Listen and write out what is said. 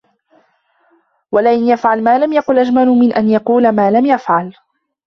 وَلَئِنْ يَفْعَلَ مَا لَمْ يَقُلْ أَجْمَلُ مِنْ أَنْ يَقُولَ مَا لَمْ يَفْعَلْ